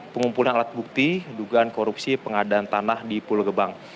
pengumpulan alat bukti dugaan korupsi pengadaan tanah di pulau gebang